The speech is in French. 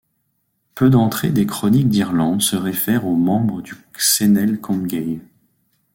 Peu d'entrées des Chroniques d'Irlande se réfèrent aux membres du Cenél Comgaill.